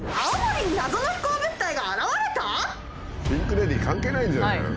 ピンク・レディー関係ないんじゃないの？